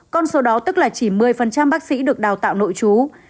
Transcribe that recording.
con số đó tức là chỉ một mươi bác sĩ được đào tạo nội chú